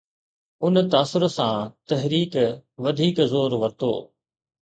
ان تاثر سان، تحريڪ وڌيڪ زور ورتو.